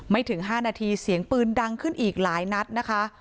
ถึง๕นาทีเสียงปืนดังขึ้นอีกหลายนัดนะคะ